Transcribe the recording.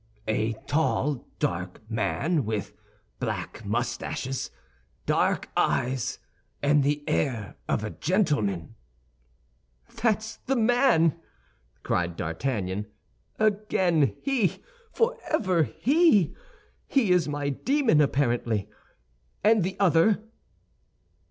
"A tall, dark man, with black mustaches, dark eyes, and the air of a gentleman." "That's the man!" cried D'Artagnan, "again he, forever he! He is my demon, apparently. And the other?"